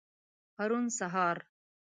پرون سهار.